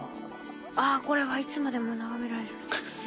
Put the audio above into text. ああこれはいつまでも眺められるな。